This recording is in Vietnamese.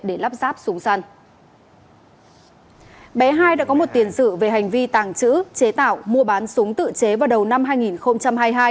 bé hai đã có một tiền sự về hành vi tàng trữ chế tạo mua bán súng tự chế vào đầu năm hai nghìn hai mươi hai